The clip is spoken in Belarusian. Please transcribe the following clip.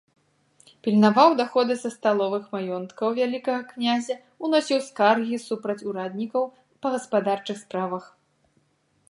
Пільнаваў даходы са сталовых маёнткаў вялікага князя, уносіў скаргі супраць ураднікаў па гаспадарчых справах.